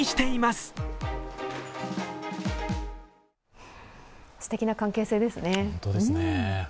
すてきな関係性ですね。